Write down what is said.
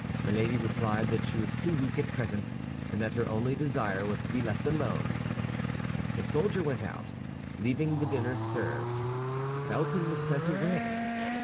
Milady replied that she was too weak at present, and that her only desire was to be left alone. The soldier went out, leaving the dinner served. Felton was sent away.